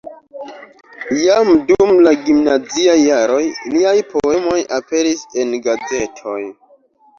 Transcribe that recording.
Jam dum la gimnaziaj jaroj liaj poemoj aperis en gazetoj.